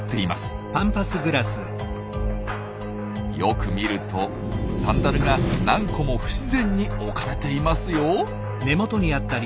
よく見るとサンダルが何個も不自然に置かれていますよ。